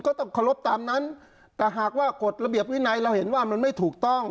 ก็ต้องเคารพตามนั้นแต่หากว่ากฎระเบียบวินัยเราเห็นว่ามันไม่ถูกต้อง